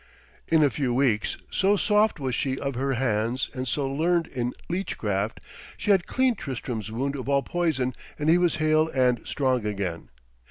In a few weeks, so soft was she of her hands and so learned in leechcraft, she had cleaned Tristram's wound of all poison and he was hale and strong again.